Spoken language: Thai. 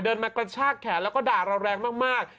เดินมากระชากแขนแล้วก็ด่าเราแรงมาก